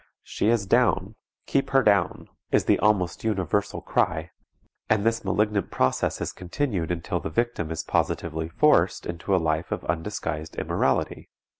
"She is down, keep her down!" is the almost universal cry, and this malignant process is continued until the victim is positively forced into a life of undisguised immorality.